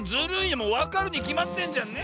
もうわかるにきまってんじゃんねえ。